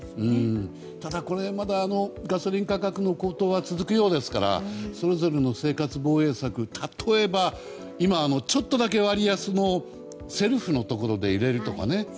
ただ、まだガソリン価格の高騰は続くようですからそれぞれの生活防衛策例えば今、ちょっと割安のセルフのところで入れるとかね。